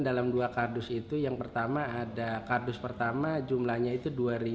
dalam dua kardus itu yang pertama ada kardus pertama jumlahnya itu dua